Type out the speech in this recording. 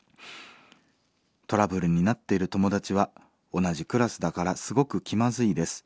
トラブルになっている友達は同じクラスだからすごく気まずいです。